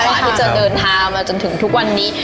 เพราะว่าที่เจอเดินทางมาจนถึงทุกวันนี้